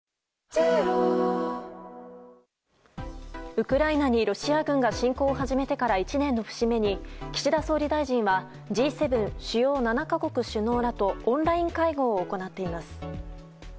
ウクライナにロシア軍が侵攻を始めてから１年の節目に岸田総理大臣はＧ７・主要７か国首脳らとオンライン会合を行っています。